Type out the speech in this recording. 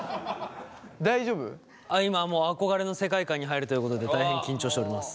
今もう憧れの世界観に入るということで大変緊張しております。